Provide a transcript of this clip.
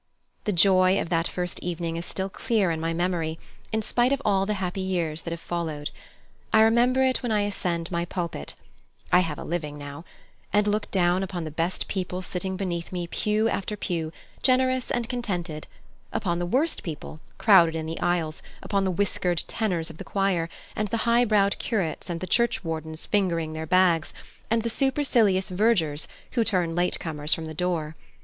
The joy of that first evening is still clear in my memory, in spite of all the happy years that have followed. I remember it when I ascend my pulpit I have a living now and look down upon the best people sitting beneath me pew after pew, generous and contented, upon the worse people, crowded in the aisles, upon the whiskered tenors of the choir, and the high browed curates and the church wardens fingering their bags, and the supercilious vergers who turn late comers from the door.